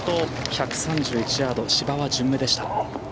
１３１ヤード芝は順目でした。